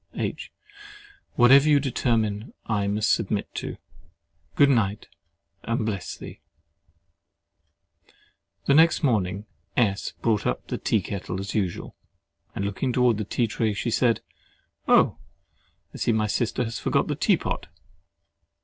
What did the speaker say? H. Whatever you determine, I must submit to. Good night, and bless thee! [The next morning, S. brought up the tea kettle as usual; and looking towards the tea tray, she said, "Oh! I see my sister has forgot the tea pot."